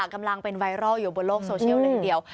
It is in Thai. กำลังเป็นไวรัลอยู่บนโลกโซเชียลเลยทีเดียว